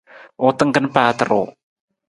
U tangkang paata ruu.